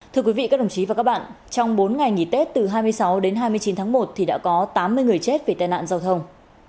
thưa quý vị các đồng chí và các bạn trong bốn ngày nghỉ tết từ hai mươi sáu đến hai mươi chín tháng một thì đã có tám mươi người chết vì tai nạn giao thông